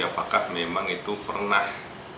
apakah memang itu pernah